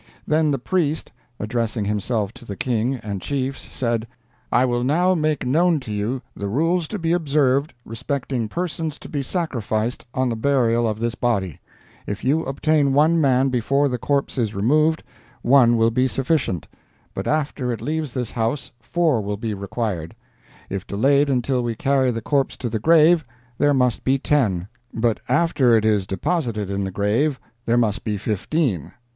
"Then the priest, addressing himself to the King and chiefs, said: 'I will now make known to you the rules to be observed respecting persons to be sacrificed on the burial of this body. If you obtain one man before the corpse is removed, one will be sufficient; but after it leaves this house four will be requited. If delayed until we carry the corpse to the grave there must be ten; but after it is deposited in the grave there must be fifteen.